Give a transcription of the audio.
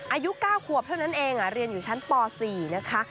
อายุ๙ขวบเท่านั้นเองเรียนอยู่ชั้นป๔นะคะ